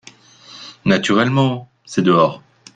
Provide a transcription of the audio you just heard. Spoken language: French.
Naturellement ! c’est dehors.